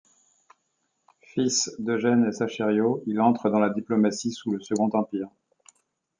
Fils d'Eugène Eschassériaux, il entre dans la diplomatie sous le Second Empire.